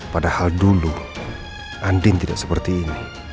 padahal dulu andin tidak seperti ini